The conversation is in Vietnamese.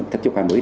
thất tiêu khoa mới